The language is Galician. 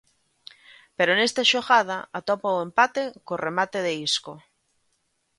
Pero nesta xogada atopa o empate co remate de Isco.